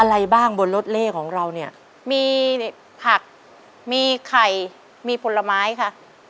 อะไรบ้างบนรถเลขของเราเนี่ยมีผักมีไข่มีผลไม้ค่ะ